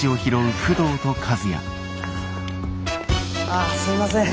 ああすいません。